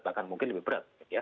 bahkan mungkin lebih berat